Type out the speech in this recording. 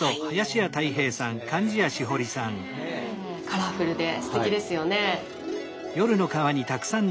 カラフルですてきですよね。